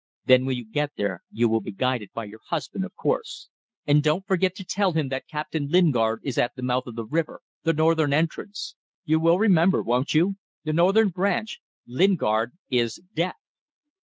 Then when you get there you will be guided by your husband, of course. And don't forget to tell him that Captain Lingard is at the mouth of the river the northern entrance. You will remember. Won't you? The northern branch. Lingard is death."